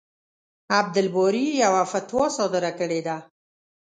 عبدالباري يوه فتوا صادره کړې ده.